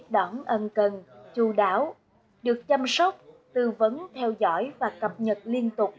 đón ân cần chú đáo được chăm sóc tư vấn theo dõi và cập nhật liên tục